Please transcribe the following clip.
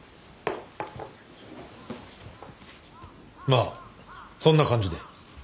まあそんな感じで。